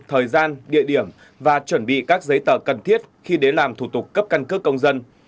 thời gian địa điểm và chuẩn bị các giấy tờ cần thiết khi đến làm thủ tục cấp căn cước công dân